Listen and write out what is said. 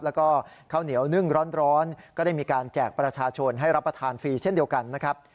แล้วก็ข้าวเหนียวนึ่งร้อนก็ได้มีการแจกประชาชนให้รับประทานฟรีเช่นเดียวกันนะครับ